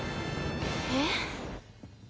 えっ？